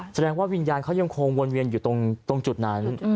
แสดงว่าวิญญาณเขายังคงวนเวียนอยู่ตรงจุดนั้น